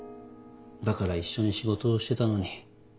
だから一緒に仕事をしてたのに。